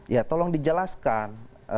ya tolong dijelaskan